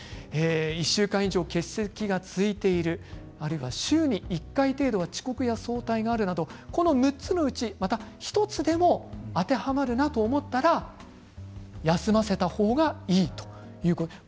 １週間以上欠席が続いているあるいは週に１回程度は遅刻や早退があるなど６つのうち、また１つでも当てはまるなと思ったら休ませた方がいいということですね。